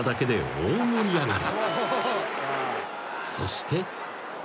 ［大盛り上がり］